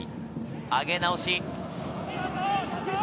あげ直し。